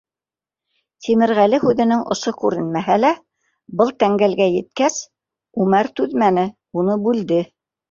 Тимерғәле һүҙенең осо күренмәһә лә, был тәңгәлгә еткәс, Үмәр түҙмәне, уны бүлде: